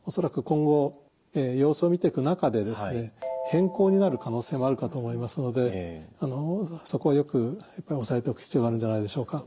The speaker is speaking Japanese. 変更になる可能性もあるかと思いますのでそこはよく押さえておく必要があるんじゃないでしょうか。